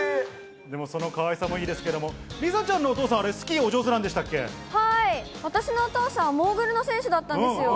でもそのかわいさもいいですけど、梨紗ちゃんのお父さんはスはい、私のお父さん、モーグルの選手だったんですよ。